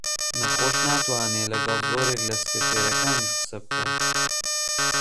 نەخۆش ناتوانێ لەگەڵ زۆرێک لە سکرتێرەکانیش قسە بکا